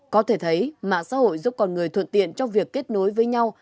có thể thấy mạng xã hội giúp con người thuận tiện trong việc kết nối với nhau